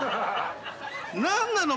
何なの？